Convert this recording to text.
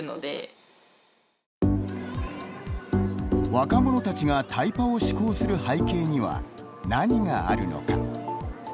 若者たちがタイパを志向する背景には何があるのか。